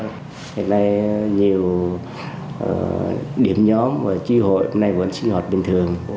giờ hiện nay nhiều điểm nhóm và trí hội vẫn sinh hoạt bình thường